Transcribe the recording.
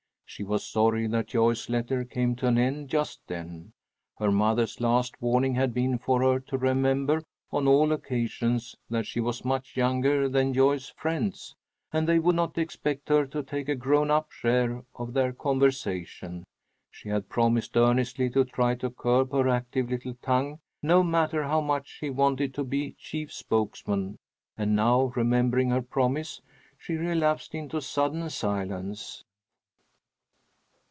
She was sorry that Joyce's letter came to an end just then. Her mother's last warning had been for her to remember on all occasions that she was much younger than Joyce's friends, and they would not expect her to take a grown up share of their conversation. She had promised earnestly to try to curb her active little tongue, no matter how much she wanted to be chief spokesman, and now, remembering her promise, she relapsed into sudden silence.